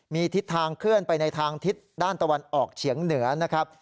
มีทิศทางเคลื่อนไปในทางทิศด้านตะวันออกเฉียงเหนือนะครับ